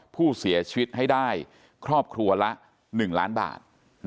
ผู้เสียชีวิตให้ได้ครอบครัวละ๑ล้านบาท